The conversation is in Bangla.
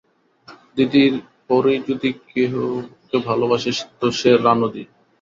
দিদির পরই যদি সে কাহাকেও ভালোবাসে তো সে রানুদি।